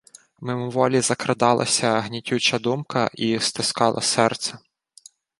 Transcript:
Мимоволі закрадалася гнітюча думка і стискала серце.